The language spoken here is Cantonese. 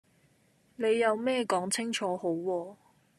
你有咩講清楚好喎